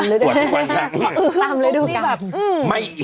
เออคือต้มอัวนิแบบ